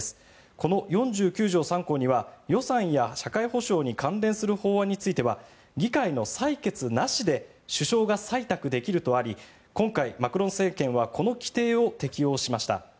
この４３条９項には予算や社会保障に関連する法案については議会の採決なしで首相が採択できるとあり今回マクロン政権はこの規定を適用しました。